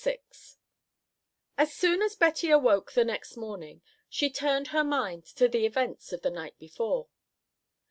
VI As soon as Betty awoke the next morning, she turned her mind to the events of the night before.